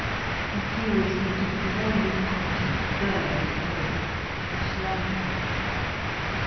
Her fury seemed to blaze out and burn his face. He shrank a little.